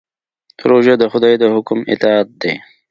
روژه د خدای د حکم اطاعت دی.